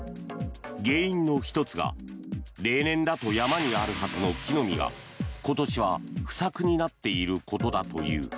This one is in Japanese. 原因の１つが例年だと山にあるはずの木の実が今年は不作になっていることだという。